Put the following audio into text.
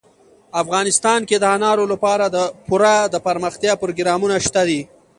افغانستان کې د انارو لپاره پوره دپرمختیا پروګرامونه شته دي.